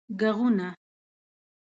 ږغونه